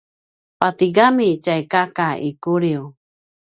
patigami tjay kaka i Kuliu